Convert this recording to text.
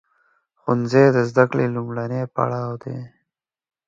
ښوونځی د زده کړې لومړنی پړاو دی.